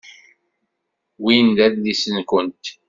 Win d adlis-nwent?